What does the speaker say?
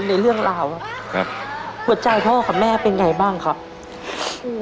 หัวใจพ่อค่ะแม่เป็นไงบ้างครับ